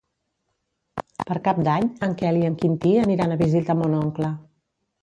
Per Cap d'Any en Quel i en Quintí aniran a visitar mon oncle.